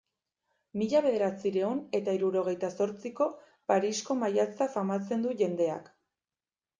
Mila bederatziehun eta hirurogeita zortziko Parisko maiatza famatzen du jendeak.